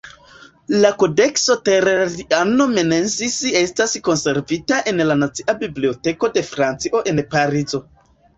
La Kodekso Telleriano-Remensis estas konservita en la Nacia Biblioteko de Francio en Parizo.